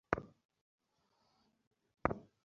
আর guild তখনও তাদের তথাকথিত ভারসাম্য বজায় রাখার চেষ্টা করবে।